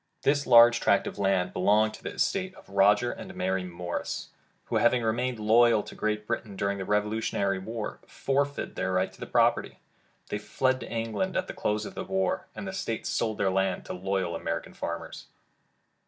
This large tract of land belonged to the estate of Roger and Mary Morris, who having remained loyal to Great Britian during the Revolutionary War, forfeited their right to the property. They fled to England at the close of the war, and the State sold their land to loyal American farmers.